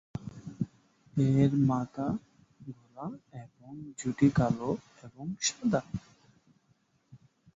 এর মাথা, গলা এবং ঝুঁটি কালো এবং সাদা।